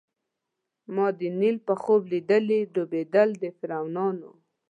ما د نیل په خوب لیدلي ډوبېدل د فرعونانو